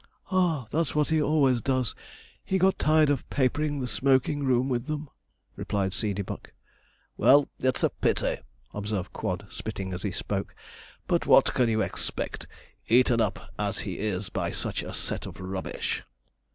'Ah! that's what he always does. He got tired of papering the smoking room with them,' replied Seedeybuck. 'Well, it's a pity,' observed Quod, spitting as he spoke; 'but what can you expect, eaten up as he is by such a set of rubbish.'